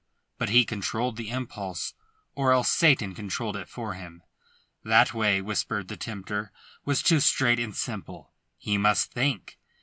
But he controlled the impulse, or else Satan controlled it for him. That way, whispered the Tempter, was too straight and simple. He must think.